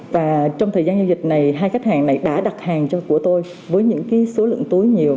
và trong thời gian giao dịch này hai khách hàng này đã đặt hàng của tôi với những số lượng túi nhiều